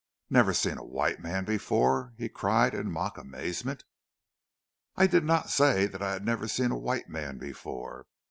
"Never seen a white man before!" he cried in mock amazement. "I did not say that I had never seen a white man before.